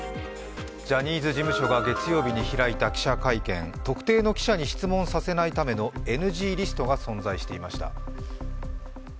ジャニーズ事務所が月曜日に開いた記者会見特定の記者に質問させないためのＮＧリストが存在していました。